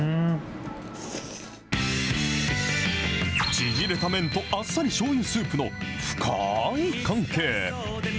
縮れた麺と、あっさりしょうゆスープの深ーい関係。